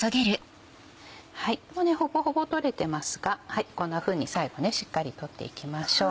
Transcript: もうほぼほぼ取れてますがこんなふうに最後しっかり取っていきましょう。